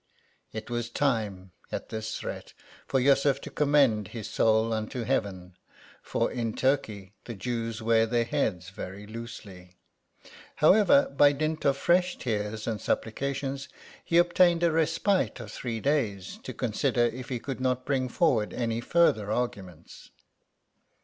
It was time, at this threat, for Yussuf to commend his soul unto heaven, for in Turkey the Jews wear their heads very loosely ; how ever, by dint of fresh tears and supplications he obtained a respite of three days, to consider if he could not bring forward any further argu ments.